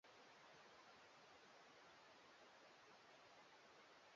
Anaupenda muziki wa taarabu